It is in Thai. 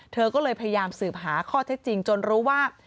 เธอก็เลยพยายามสืบหาข้อเท็จจริงจนรู้ว่า